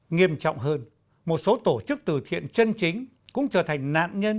nghiêm trọng hơn một số tổ chức từ thiện chân chính cũng trở thành nạn nhân